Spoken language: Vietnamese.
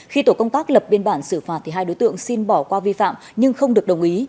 khi tổ công tác lập biên bản xử phạt thì hai đối tượng xin bỏ qua vi phạm nhưng không được đồng ý